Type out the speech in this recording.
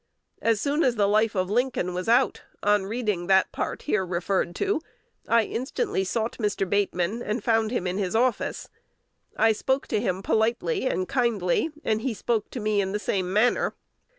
As soon as the "Life of Lincoln" was out, on reading that part here referred to, I instantly sought Mr. Bateman, and found him in his office. I spoke to him politely and kindly, and he spoke to me in the same manner.